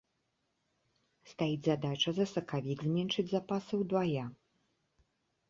Стаіць задача за сакавік зменшыць запасы ўдвая.